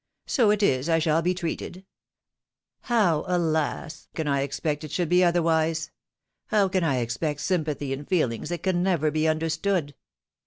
" So it is I shall be treated ! How can I expect it should be otherwise ? How can I expect sympathy in feelings that can never be understood?